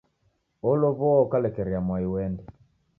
Olow'oa ukalekerea mwai uende.